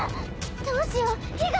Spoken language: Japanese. どうしよう！？火が！